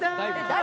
誰？」